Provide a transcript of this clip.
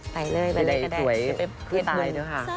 ไปเลยไปเลยก็ได้